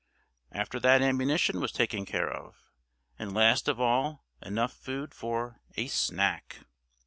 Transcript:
After that ammunition was taken care of, and last of all enough food for a "snack."